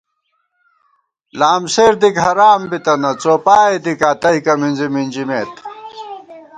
لام سیر دِک حرام بِتَنہ څوپائے دِکا تئیکہ مِنزی مِنجِمېت